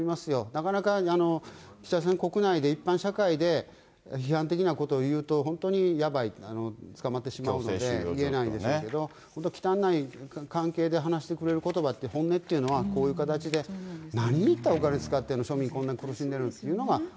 なかなか北朝鮮国内で、一般社会で、批判的なことを言うと、本当にやばい、捕まってしまうので、言えないですけど、本当にきたんない関係で話してくれることばって、本音っていうのはこういう形で、何に一体こんなにお金使ってるの、庶民、こんなに苦しんでるのにっ